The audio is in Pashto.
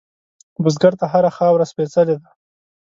بزګر ته هره خاوره سپېڅلې ده